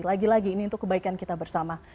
lagi lagi ini untuk kebaikan kita bersama